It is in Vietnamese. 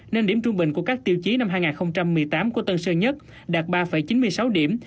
nên điểm trung bình của các tiêu chí năm hai nghìn một mươi tám của tân sơn nhất đạt ba chín mươi sáu điểm